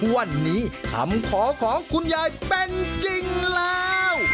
วันนี้คำขอของคุณยายเป็นจริงแล้ว